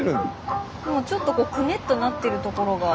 ちょっとくねっとなってるところが。